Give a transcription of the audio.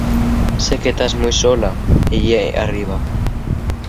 Sé que tas mui sola ellí arriba.